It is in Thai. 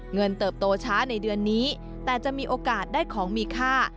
เติบโตช้าในเดือนนี้แต่จะมีโอกาสได้ของมีค่า